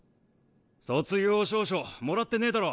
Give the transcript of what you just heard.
卒業証書もらってねぇだろ。